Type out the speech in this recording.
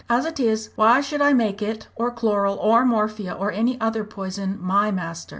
"As it is, why should I make it, or chloral, or morphia, or any other poison, my master!